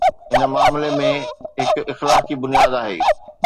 هن معاملي ۾ هڪ اخلاقي بنياد آهي.